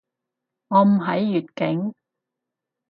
我唔喺粵境